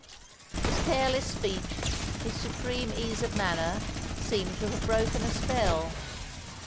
His careless speech, his supreme ease of manner, seemed to have broken a spell.